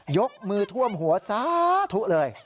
ยกมือท่วมหัวสาธุเลย